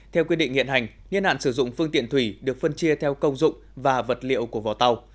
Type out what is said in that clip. theo quy định hiện hành nhiên hạn sử dụng phương tiện thủy được phân chia theo công dụng và vật liệu của vò tàu